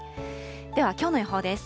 では、きょうの予報です。